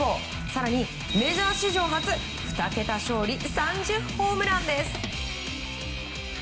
更にメジャー史上初２桁勝利３０ホームランです。